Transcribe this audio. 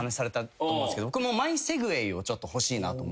僕もマイセグウェイを欲しいなと思って。